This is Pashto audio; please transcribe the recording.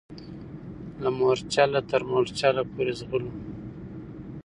له مورچله تر مورچله پوري ځغلو